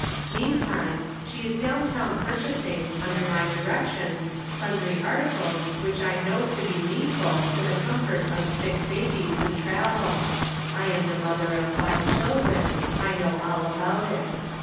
Meantime she is down town purchasing, under my direc tion, sundry articles which I know to be needful to the comfort of sick babies who travel ;' I am the mother of five children ; I know all about it.